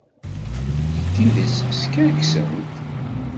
Deg tidet, skerksent.